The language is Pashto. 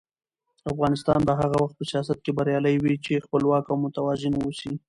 افغانستان به هغه وخت په سیاست کې بریالی وي چې خپلواک او متوازن واوسي.